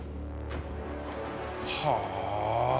はあ。